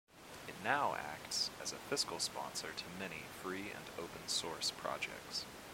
It now acts as a fiscal sponsor to many free and open source projects.